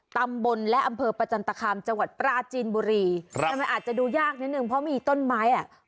ตำบลและอำเภอประจันตคามจังหวัดปราจีนบุรีครับแต่มันอาจจะดูยากนิดนึงเพราะมีต้นไม้อ่ะ